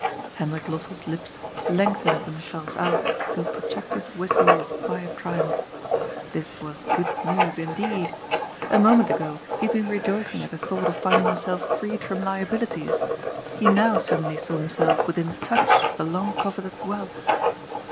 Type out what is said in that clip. '* Hendrik Lossell's lips lengthened themselves out to a protracted whistle of quiet triumph. This was good news indeed. A moment ago he had been rejoicing at the thought of finding himself freed from liabilities ; he now suddenly saw himself within touch of the long coveted wealth.